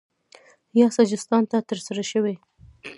یا سجستان ته ترسره شوی